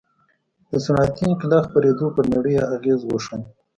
د صنعتي انقلاب خپرېدو پر نړۍ اغېز وښند.